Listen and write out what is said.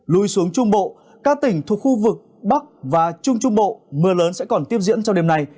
lui xuống trung bộ các tỉnh thuộc khu vực bắc và trung trung bộ mưa lớn sẽ còn tiếp diễn trong đêm nay